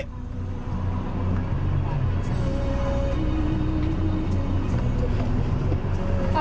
ไม่ได้